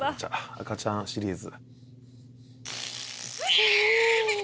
赤ちゃんシリーズ。